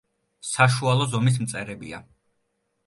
საშუალო ზომის მწერებია.